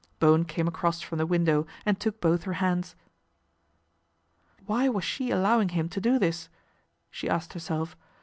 Bowen came across from the window and took both her hands. " Why was she allowing him to do this ?" she asked herself.